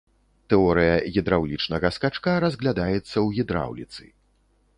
Тэорыя гідраўлічнага скачка разглядаецца ў гідраўліцы.